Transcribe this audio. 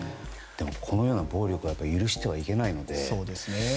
このような暴力は許してはいけないので。